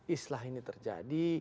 islah ini terjadi